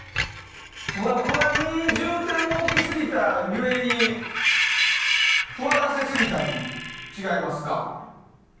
ふわふわに重点を置きすぎた故にふわらせすぎたん違いますか？